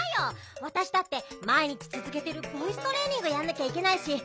わたしだってまい日つづけてるボイストレーニングやんなきゃいけないし。